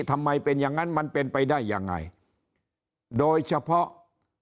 ทำไมเป็นอย่างนั้นมันเป็นไปได้ยังไงโดยเฉพาะ